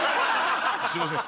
すいません